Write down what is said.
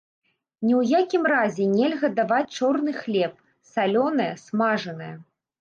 Ні ў якім разе нельга даваць чорны хлеб, салёнае, смажанае.